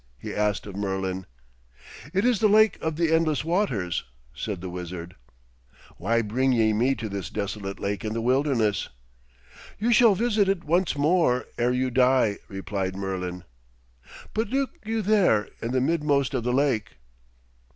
he asked of Merlin. 'It is the Lake of the Endless Waters,' said the wizard. 'Why bring ye me to this desolate lake in the wilderness?' 'You shall visit it once more ere you die!' replied Merlin. 'But look you there in the midmost of the lake.'